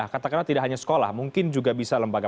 katakanlah tidak hanya sekolah mungkin juga bisa lembaga